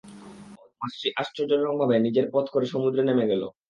মাছটি আশ্চর্যজনকভাবে নিজের পথ করে সমুদ্রে নেমে গেল।